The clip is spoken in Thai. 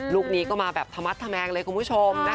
ลูกนี้ก็มาแบบธมัดทะแมงเลยคุณผู้ชม